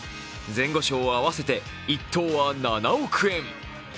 前後賞合わせて１等は７億円。